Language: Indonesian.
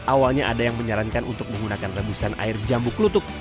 awalnya ada yang menyarankan untuk menggunakan rebusan air jambu kelutuk